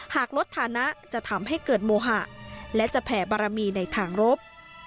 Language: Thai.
หากลดฐานะจะทำให้เกิดโมหะและจะแผ่บารมีในทางรบ